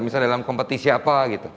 misalnya dalam kompetisi apa